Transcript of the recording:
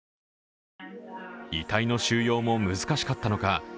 遺体の収容も難しかったのか